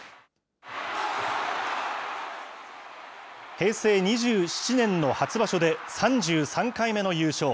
平成２７年の初場所で３３回目の優勝。